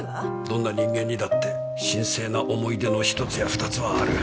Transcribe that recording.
どんな人間にだって神聖な思い出の一つやニつはある。